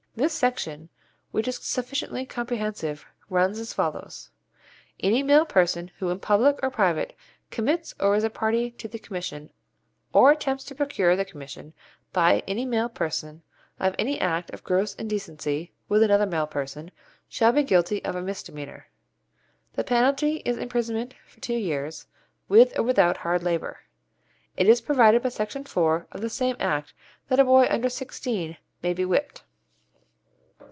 This section, which is sufficiently comprehensive, runs as follows: 'Any male person who in public or private commits or is a party to the commission, or attempts to procure the commission by any male person, of any act of gross indecency with another male person, shall be guilty of a misdemeanour.' The penalty is imprisonment for two years, with or without hard labour. It is provided by Section 4 of the same Act that a boy under sixteen may be whipped.